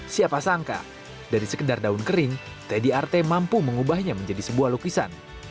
siapa sangka dari sekedar daun kering teddy arte mampu mengubahnya menjadi sebuah lukisan